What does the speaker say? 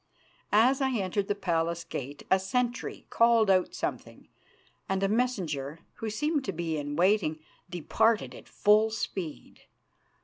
As I entered the palace gate a sentry called out something, and a messenger, who seemed to be in waiting, departed at full speed.